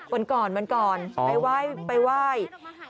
เวินกรไปไหว้